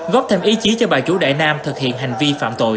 góp thêm ý chí cho bà chủ đại nam thực hiện hành vi phạm tội